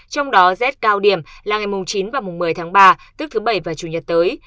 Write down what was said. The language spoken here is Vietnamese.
trong đó rét cao điểm là ngày chín và một mươi tháng ba tức thứ bảy và chủ nhật tới